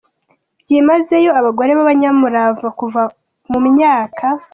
byimazeyo abagore b’abanyamurava kuva mu myaka